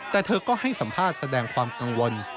แต่เธอก็ให้สัมภาษณ์แสดงความกังวล